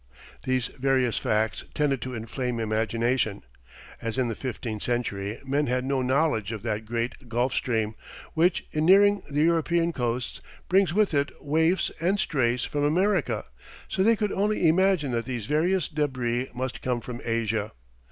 These various facts tended to inflame imagination. As in the fifteenth century men had no knowledge of that great Gulf stream, which, in nearing the European coasts, brings with it waifs and strays from America, so they could only imagine that these various débris must come from Asia.